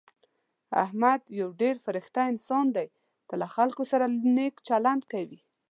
احمد یو ډېر فرشته انسان دی. تل له خلکو سره نېک چلند کوي.